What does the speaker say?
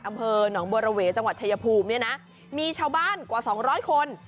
อำเภอหนองบัวระเวจังหวัดชายภูมิเนี่ยนะมีชาวบ้านกว่าสองร้อยคน